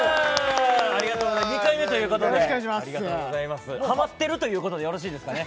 ２回目ということでありがとうございますハマってるということでよろしいですかね